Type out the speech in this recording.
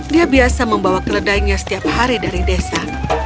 dia biasa membawa keledainya setiap hari dari desa